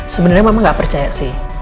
sebenernya mama gak percaya sih